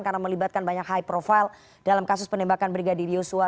karena melibatkan banyak high profile dalam kasus penembakan brigadir yusua